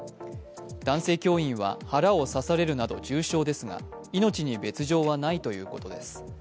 男性教員は腹を支えるなど重傷ですが命に別状はないということです。